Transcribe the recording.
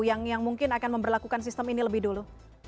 yang mungkin akan memperlakukan sistem ini lebih dulu